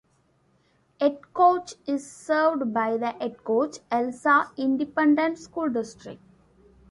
Edcouch is served by the Edcouch-Elsa Independent School District.